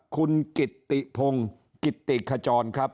คุณกิตติพงศ์กิตติขจรครับ